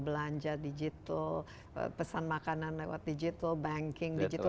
belanja digital pesan makanan lewat digital banking digital